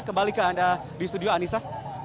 kembali ke anda di studio anissa